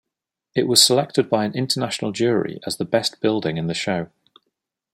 It was selected by an International jury as the best building in the show.